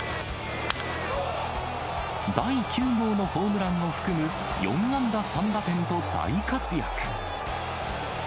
第９号のホームランを含む４安打３打点と大活躍。